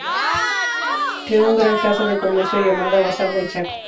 Creó una gran casa de comercio llamada "Bazar del Chaco".